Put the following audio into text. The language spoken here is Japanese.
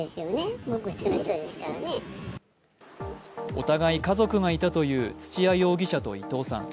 お互い家族がいたという土屋容疑者と伊藤さん。